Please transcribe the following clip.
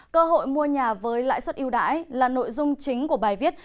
cơ hội mua nhà với lãi suất yêu đãi là nội dung chính của bài viết